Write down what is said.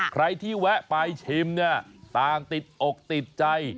ใครที่แวะไปชิมเนี่ยต่างติดอกติดใจ